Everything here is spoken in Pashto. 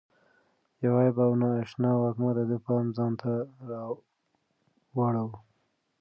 یو عجیب او نا اشنا وږم د ده پام ځان ته واړاوه.